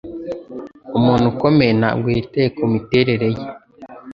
Umuntu ukomeye ntabwo yitaye kumiterere ye.